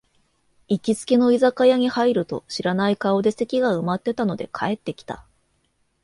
行きつけの居酒屋に入ると、知らない顔で席が埋まってたので帰ってきた